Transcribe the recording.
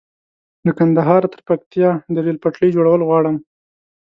له کندهاره تر پکتيا د ريل پټلۍ جوړول غواړم